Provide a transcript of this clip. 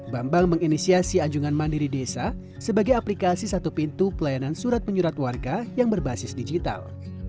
bambang menginisiasi anjungan mandiri desa sebagai aplikasi satu pintu pelayanan surat penyurat warga yang berbasis digital